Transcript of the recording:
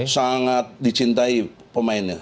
sangat dicintai pemainnya